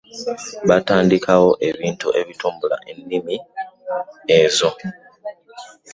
Batandiikawo ebintu ebitumbula ennimi ezo